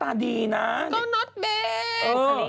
บุคลิกดีอะไรอย่างนี้